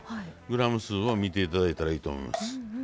グラム数を見て頂いたらいいと思います。